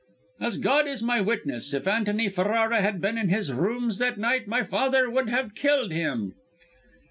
"As God is my witness, if Antony Ferrara had been in his rooms that night, my father would have killed him!"